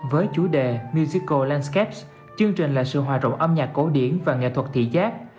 với chủ đề musical landscapes chương trình là sự hòa rộng âm nhạc cổ điển và nghệ thuật thị giác